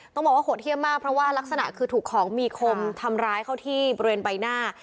ต้องบอกว่าโหดเยี่ยมมากเพราะว่ารักษณะคือถูกของมีคมทำร้ายเข้าที่บริเวณใบหน้า